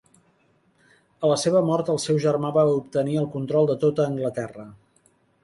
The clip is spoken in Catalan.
A la seva mort el seu germà va obtenir el control de tota Anglaterra.